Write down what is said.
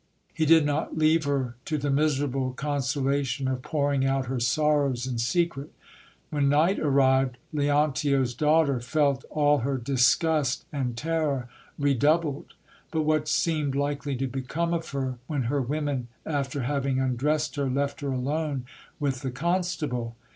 He did not leave her to the miserable con solation of pouring out her sorrows in secret. When night arrived, Leontio's daughter felt all her disgust and terror redoubled. But what seemed likely to become of her when her women, after having undressed her, left her alone with the constable